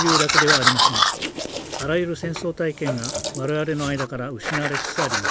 あらゆる戦争体験が我々の間から失われつつあります。